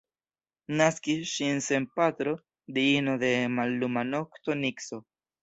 Naskis ŝin sen patro diino de malluma nokto Nikso.